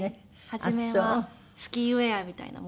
初めはスキーウェアみたいなものを着て。